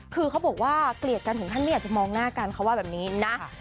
คือเขาบอกว่าเกลียดกันถึงขั้นไม่อยากจะมองหน้ากันเขาว่าแบบนี้นะ